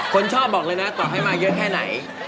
คนชอบบอกเลยนะต่อให้มาเยอะแค่ไหน